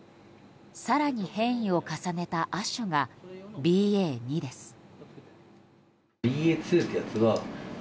更に変異を重ねた亜種がＢＡ．２です。